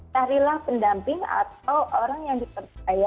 carilah pendamping atau orang yang dipercaya